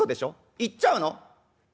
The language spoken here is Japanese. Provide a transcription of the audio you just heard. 行っちゃうの？